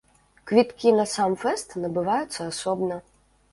Квіткі на сам фэст набываюцца асобна.